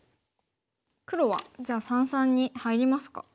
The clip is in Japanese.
黒はじゃあ三々に入りますか。